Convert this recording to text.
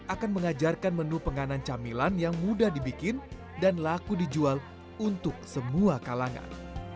akan mengajarkan menu penganan camilan yang mudah dibikin dan laku dijual untuk semua kalangan